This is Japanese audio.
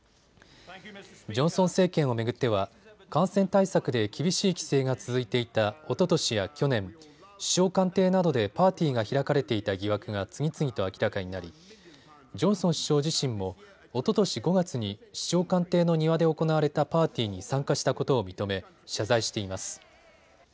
ジョンソン政権を巡っては感染対策で厳しい規制が続いていたおととしや去年、首相官邸などでパーティーが開かれていた疑惑が次々と明らかになり、ジョンソン首相自身もおととし５月に首相官邸の庭で行われたパーティーに参加したことを認め謝罪しています。